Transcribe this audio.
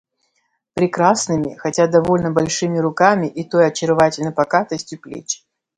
прекрасными, хотя довольно большими руками и той очаровательной покатостью плеч,